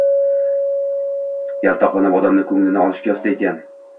Yaltoqlanib odamni ko`nglini olishga usta ekan